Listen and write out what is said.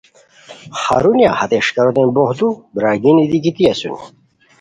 ہرونیہ ہتے اݰکاروتین بوغدو برار گینی دی گیتی اسونی